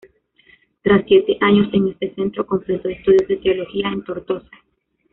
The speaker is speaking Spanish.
Tras siete años en este centro, completó estudios de teología en Tortosa.